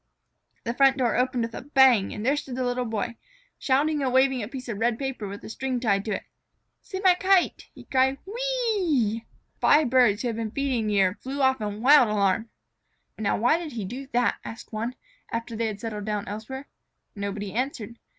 The front door opened with a bang, and the Little Boy stood there, shouting and waving a piece of red paper with a string tied to it. "See my kite!" he cried. "Whee ee ee!" Five birds who had been feeding near flew off in wild alarm. "Now why did he do that?" asked one, after they had settled down elsewhere. Nobody answered.